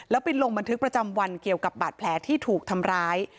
แล้วไปลงบันทึกประจำวันเกี่ยวกับบาดแผลที่ถูกทำร้าย